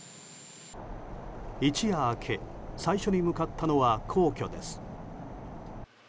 一夜明け最初に向かったのは皇居です。